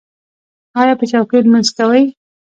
ایا په چوکۍ لمونځ کوئ؟